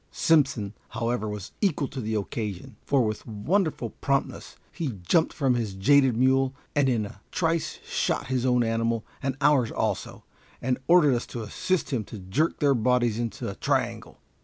Simpson, however, was equal to the occasion, for with wonderful promptness he jumped from his jaded mule, and in a trice shot his own animal and ours also, and ordered us to assist him to jerk their bodies into a triangle.